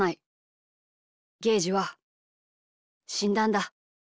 ゲージはしんだんだ。